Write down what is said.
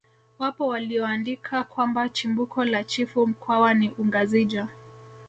Wapo walioandika kwamba chimbuko la chifu mkwawa ni ungazija